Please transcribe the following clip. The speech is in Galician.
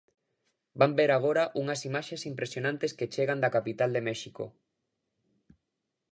Van ver agora unhas imaxes impresionantes que chegan da capital de México.